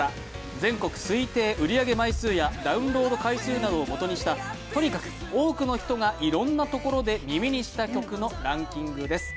全国推定売り上げ枚数やダウンロード回数などをもとにしたとにかく多くの人がいろんなところで耳にした曲のランキングです。